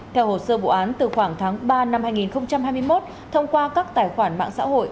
theo hồ sơ bộ án từ khoảng tháng ba năm hai nghìn hai mươi một thông qua các tài khoản mạng xã hội